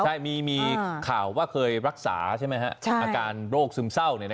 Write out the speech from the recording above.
ใช่มีข่าวว่าเคยรักษาอาการโรคซึมเศร้า